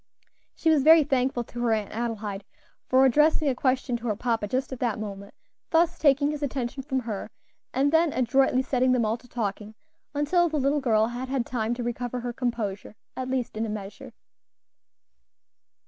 She was very thankful to her Aunt Adelaide for addressing a question to her papa just at that moment, thus taking his attention from her, and then adroitly setting them all to talking until the little girl had had time to recover her composure, at least in a measure.